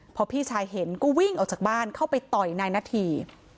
พอพี่ชายเห็นก็วิ่งออกจากบ้านเข้าไปต่อยนายนาธี